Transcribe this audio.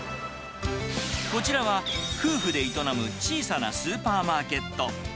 こちらは、夫婦で営む小さなスーパーマーケット。